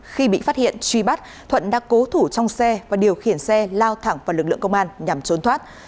khi bị phát hiện truy bắt thuận đã cố thủ trong xe và điều khiển xe lao thẳng vào lực lượng công an nhằm trốn thoát